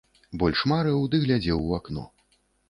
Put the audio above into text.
Больш марыў ды глядзеў у акно.